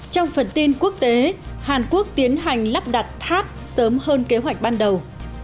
trong phần tin quốc tế hàn quốc tiến hành lắp đặt tháp sớm hơn kế hoạch ban đầu